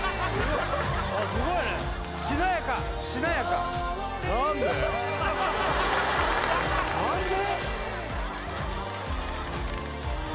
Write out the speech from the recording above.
すごいねしなやかしなやか何で？